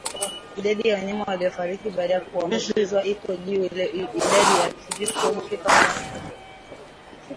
Idadi ya wanyama wanaofariki baada ya kuambukizwa iko juu Idadi ya vifo hufika kwa